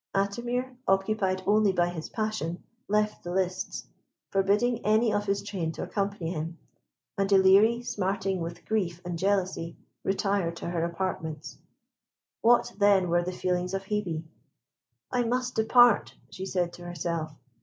Atimir, occupied only by his passion, left the lists, forbidding any of his train to accompany him; and Ilerie, smarting with grief and jealousy, retired to her apartments. What then were the feelings of Hebe! "I must depart," she said to herself.